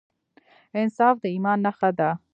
انصاف د ایمان نښه ده.